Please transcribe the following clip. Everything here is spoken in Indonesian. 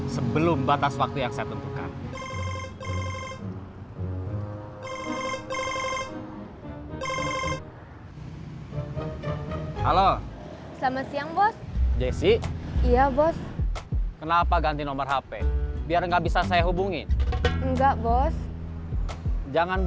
sebelum batas waktu yang saya tentukan